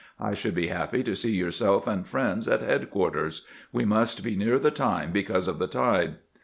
I should be happy to see yourself and friends at headquarters. "We must be near the time because of the tide."